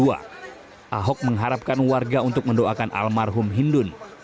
ahok mengharapkan warga untuk mendoakan almarhum hindun